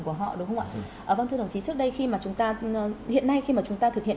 của họ đúng không ạ vâng thưa đồng chí trước đây khi mà chúng ta hiện nay khi mà chúng ta thực hiện